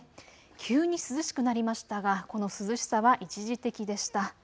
急に涼しくなりましたがこの涼しさは一時的でした。